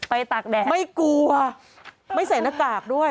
ตากแดดไม่กลัวไม่ใส่หน้ากากด้วย